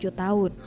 puja tujuh tahun